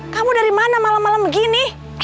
kamu dari mana malam malam begini